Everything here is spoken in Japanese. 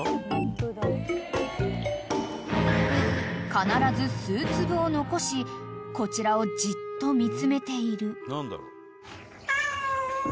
［必ず数粒を残しこちらをじっと見つめている］